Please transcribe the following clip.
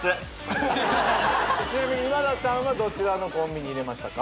ちなみに今田さんはどちらのコンビに入れましたか？